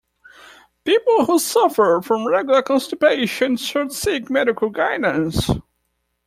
People who suffer from regular constipation should seek medical guidance.